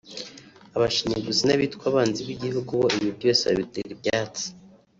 Abashinyaguzi n’abitwa abanzi b’igihugu bo ibi byose babitera ibyatsi